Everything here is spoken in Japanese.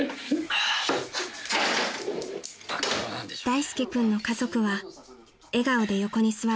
［大介君の家族は笑顔で横に座る］